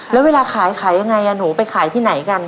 แล้วเวลาขายขายยังไงหนูไปขายที่ไหนกัน